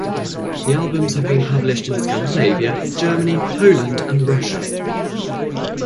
The albums have been published in Scandinavia, Germany, Poland and Russia.